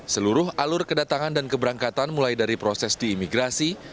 seluruh alur kedatangan dan keberangkatan mulai dari proses diimigrasi